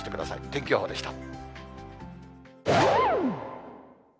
天気予報でした。